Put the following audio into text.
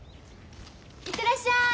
行ってらっしゃい！